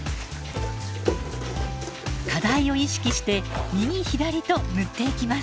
課題を意識して右左と塗っていきます。